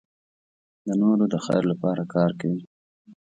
د نورو د خیر لپاره کار کوي.